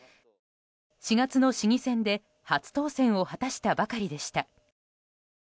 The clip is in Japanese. ４月の市議選で初当選を果たしたばかりでした。